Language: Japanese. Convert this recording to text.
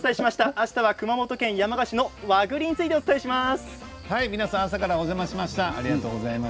あしたは熊本県山鹿市の和栗をお伝えします。